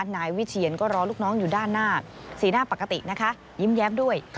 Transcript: นายวิเชียนก็รอลูกน้องอยู่ด้านหน้าสีหน้าปกตินะคะยิ้มแย้มด้วย